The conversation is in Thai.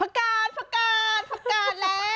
ผักกาดผักกาดผักกาดแล้ว